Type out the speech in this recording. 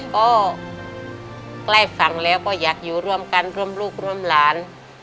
ก็ใกล้ฝั่งแล้วก็อยากอยู่ร่วมกันร่วมลูกร่วมหลาน